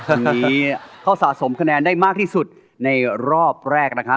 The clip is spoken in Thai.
ก็คือเขาสะสมคะแนนได้มากที่สุดในรอบแรกนะครับ